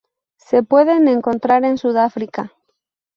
Se pueden encontrar en Sudáfrica.